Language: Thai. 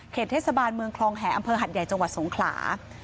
เทศบาลเมืองคลองแห่อำเภอหัดใหญ่จังหวัดสงขลา